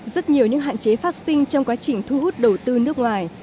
rất nhiều những hạn chế phát sinh trong quá trình thu hút đầu tư nước ngoài